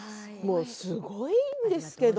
すごいんですけど。